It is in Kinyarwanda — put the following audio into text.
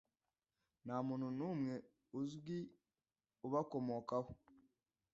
nta muntu n’umwe uzwi ubakomokaho,